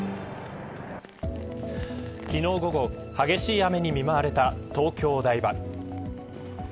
昨日午後、激しい雨に見舞われた東京、お台場。